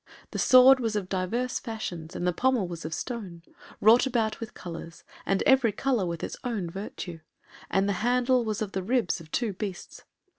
The sword was of divers fashions, and the pommel was of stone, wrought about with colours, and every colour with its own virtue, and the handle was of the ribs of two beasts.